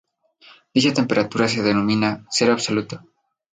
Dicha temperatura se denomina "cero absoluto".